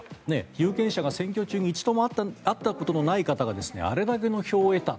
有権者が選挙中に一度も会ったことのない方があれだけの票を得た。